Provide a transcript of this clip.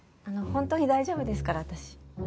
本当に大丈夫ですから私。